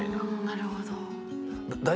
なるほど。